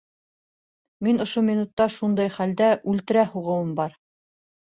Мин ошо минутта шундай хәлдә үлтерә һуғыуым бар.